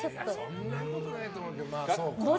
そんなことないと思うけど。